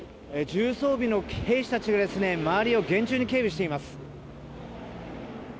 重装備の兵士たちが周りを厳重に警備しています。